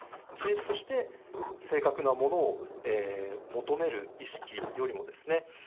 事実として正確なものを求める意識よりもですね